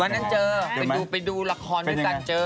วันนั้นเจอไปดูละครด้วยกันเจอ